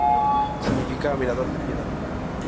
Significa "mirador de piedra".